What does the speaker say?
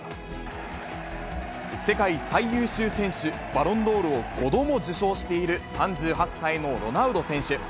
世界最優秀選手、バロンドールを５度も受賞している、３８歳のロナウド選手。